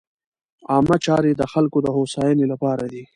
عامه چارې د خلکو د هوساینې لپاره دي.